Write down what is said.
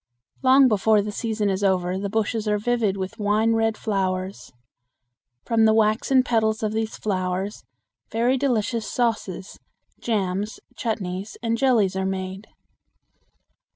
Long before the season is over the bushes are vivid with wine red flowers. From the waxen petals of these flowers very delicious sauces, jams, chutneys, and jellies are made.